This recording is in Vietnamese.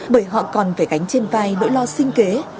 bởi họ còn phải gánh trên vai nỗi lo sinh kế